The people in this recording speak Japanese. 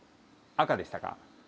赤でした。